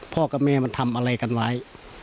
กับแม่มันทำอะไรกันไว้